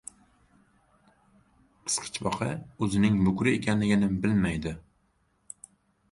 • Qisqichbaqa o‘zining bukri ekanligini bilmaydi.